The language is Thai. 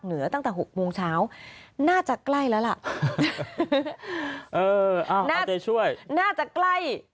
ตั้งแต่หกโมงเช้าน่าจะใกล้แล้วล่ะเออเอาน่าจะช่วยน่าจะใกล้